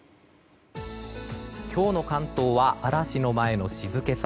今日の関東は嵐の前の静けさ。